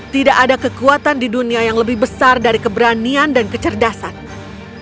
tidak ada kekuatan di dunia yang lebih besar dari keberanian dan kecerdasannya